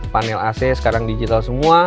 panel ac sekarang digital semua